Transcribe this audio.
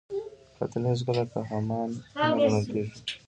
قاتل هیڅکله قهرمان نه ګڼل کېږي